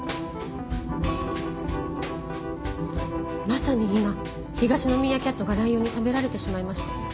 まさに今東のミーアキャットがライオンに食べられてしまいました。